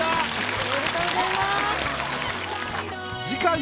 おめでとうございます。